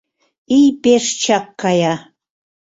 Ий пеш чак кая.